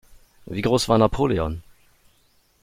Wie groß war Napoleon?